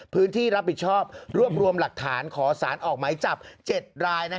พื้นที่รับผิดชอบรวบรวมหลักฐานขอสารออกหมายจับ๗ราย